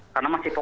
karena masih fokus